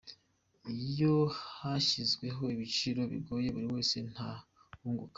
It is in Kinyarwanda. Iyo hashyizweho ibiciro bigoye buri wese nta wunguka.